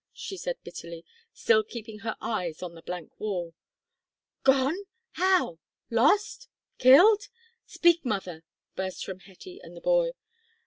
she said, bitterly, still keeping her eyes on the blank wall. "Gone! how? lost? killed? speak, mother," burst from Hetty and the boy.